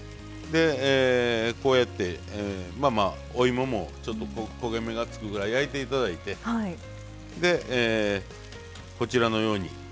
こうやってお芋もちょっと焦げ目がつくぐらい焼いて頂いてでこちらのように。